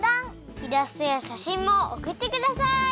イラストやしゃしんもおくってください！